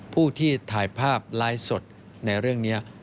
ผู้ที่ถ่ายภาพไลฟ์สดในเรื่องนี้